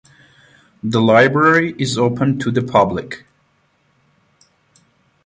The library is open to the public.